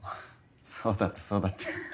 そうだったそうだった。